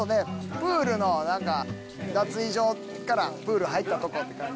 プールの何か脱衣所からプール入ったとこって感じ。